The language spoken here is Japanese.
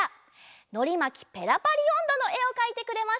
「のりまきペラパリおんど」のえをかいてくれました。